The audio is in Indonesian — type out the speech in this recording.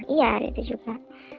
iya hari itu juga